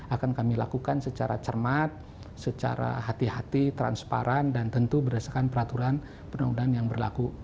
akan kami lakukan secara cermat secara hati hati transparan dan tentu berdasarkan peraturan perundang undangan yang berlaku